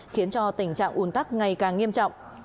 khiến cho tình trạng ủn tắc ngày càng nghiêm trọng